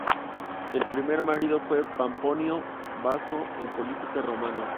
El primer marido fue Pomponio Baso, un político romano.